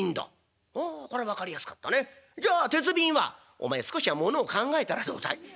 「お前少しは物を考えたらどうだい？